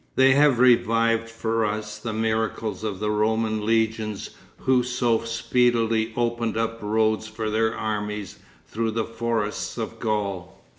They have revived for us the miracles of the Roman Legions who so speedily opened up roads for their armies through the forests of Gaul.